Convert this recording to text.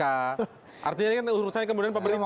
artinya kan urusan kemudian pak merintah